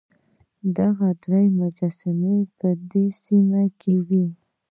دغه درې مجسمې په دې سیمه کې وې.